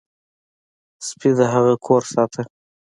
سپي د هغه کور ساته.